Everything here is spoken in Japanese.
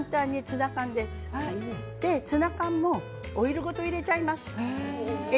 そしてツナ缶もオイルごと入れちゃいます。